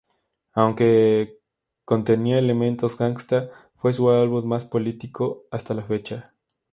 Aunque contenía elementos gangsta, fue su álbum más político hasta la fecha.